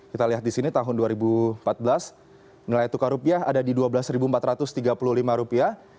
kita lihat di sini tahun dua ribu empat belas nilai tukar rupiah ada di dua belas empat ratus tiga puluh lima rupiah